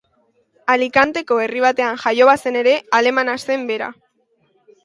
Alicanteko herri batean Jaio bazen ere, alemana zen bera.